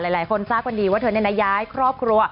หลายคนทราบว่าเธอในนัยย้ายครอบครัว